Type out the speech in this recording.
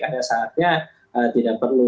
ada saatnya tidak perlu